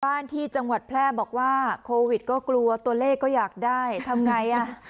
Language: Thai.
บ้านที่จังหวัดแพร่บอกว่าโควิดก็กลัวตัวเลขก็อยากได้ทำไงอ่ะ